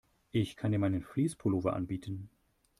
Ich kann dir meinen Fleece-Pullover anbieten.